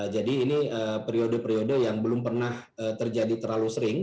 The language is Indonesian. jadi ini periode periode yang belum pernah terjadi terlalu sering